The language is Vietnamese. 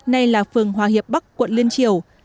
nay là phường hòa hiệp bắc quận liên triều